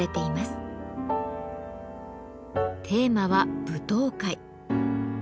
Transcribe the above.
テーマは「舞踏会」。